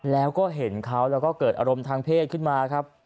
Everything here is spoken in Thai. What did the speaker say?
แล้วก็เห็นเขาแล้วก็เกิดอารมณ์ทางเพศขึ้นมาครับ